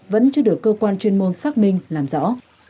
vẫn chưa được cơ quan chuyên môn xác minh làm rõ